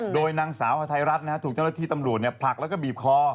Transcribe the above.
โดยนางสาวฮาไทยรัฐถูกเจ้าหน้าที่ตำรวจผลักแล้วก็บีบคอ